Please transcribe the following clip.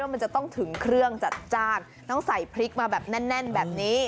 มันจะต้องถึงเครื่องจัดจ้านต้องใส่พริกมาแบบแน่นแบบนี้